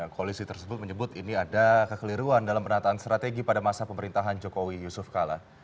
koalisi tersebut menyebut ini ada kekeliruan dalam penataan strategi pada masa pemerintahan jokowi yusuf kala